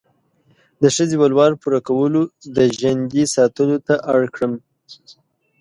د ښځې ولور پوره کولو، د ژندې ساتلو ته اړ کړم.